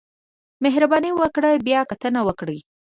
مهرباني وکړئ بیاکتنه وکړئ